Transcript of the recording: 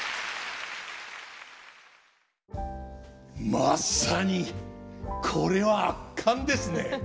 まさにこれは圧巻ですね！